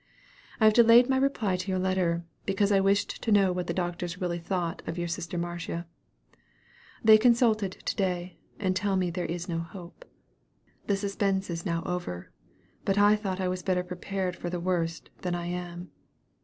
"I have delayed my reply to your letter, because I wished to know what the doctors really thought of your sister Marcia. They consulted to day, and tell me there is no hope. The suspense is now over, but I thought I was better prepared for the worst than I am.